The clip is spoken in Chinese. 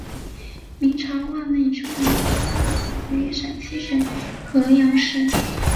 明朝万历初年出土于陕西省郃阳县。